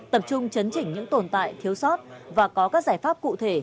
tập trung chấn chỉnh những tồn tại thiếu sót và có các giải pháp cụ thể